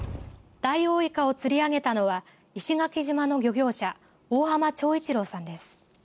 ダイオウイカを釣り上げたのは石垣島の漁業者大浜長一郎さんです。